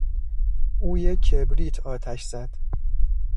او یک کبریت آتش زد.